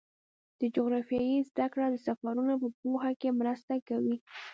د جغرافیې زدهکړه د سفرونو په پوهه کې مرسته کوي.